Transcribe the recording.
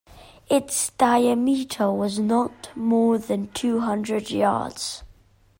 Its diameter was not more than two hundred yards.